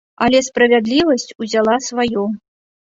Але справядлівасць узяла сваё!